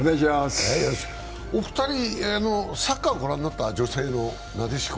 お二人、サッカーはご覧になった？女性のなでしこ。